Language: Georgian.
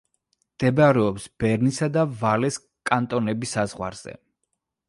მდებარეობს ბერნისა და ვალეს კანტონების საზღვარზე.